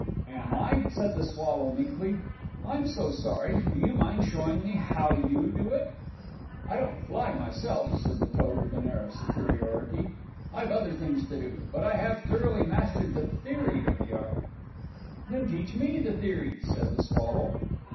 "Am I?" said the Swallow meekly. "I'm so sorry! Do you mind showing me how you do it?" "I don't fly myself," said the Toad, with an air of superiority. "I've other things to do but I have thoroughly mastered the theory of the Art." "Then teach me the theory!" said the Swallow.